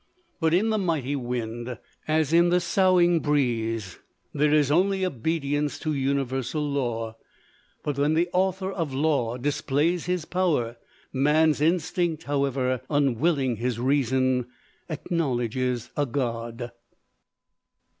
But in the mighty wind, as in the soughing breeze, there is only obedience to universal law. But when the Author of law displays his power, man's instinct, however unwilling his reason, acknowledges a God.